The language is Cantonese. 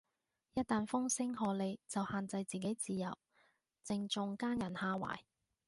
一但風聲鶴唳就限制自己自由，正中奸人下懷